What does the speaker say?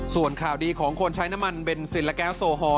ส่วนข่าวดีของคนใช้น้ำมันเบนซินและแก๊สโซฮอล